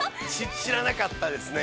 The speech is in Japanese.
◆知らなかったですね。